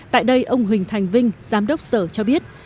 tại đây ông huỳnh thành vinh giám đốc sở cho biết